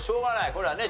これはね